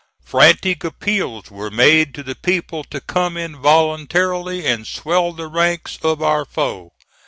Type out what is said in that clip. Frantic appeals were made to the people to come in voluntarily and swell the ranks of our foe.